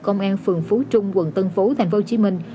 công an phường phú trung quận tân phú tp hcm